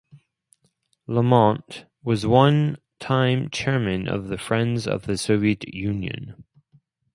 Lamont was one-time chairman of the Friends of the Soviet Union.